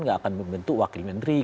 nggak akan membentuk wakil menteri